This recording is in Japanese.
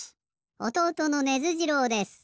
おとうとのネズ次郎です。